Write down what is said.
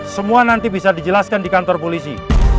semua nanti bisa dijelaskan di kantor polisi